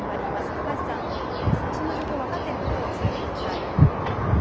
高橋さん、最新の情報、分かっていることを伝えてください。